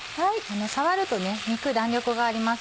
触ると肉弾力があります。